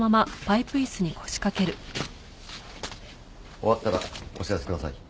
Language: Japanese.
終わったらお知らせください。